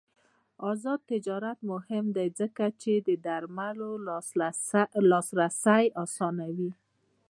آزاد تجارت مهم دی ځکه چې د درملو لاسرسی اسانوي.